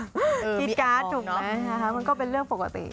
ฮิตการ์ดจุบแม้มันก็เป็นเรื่องปกติ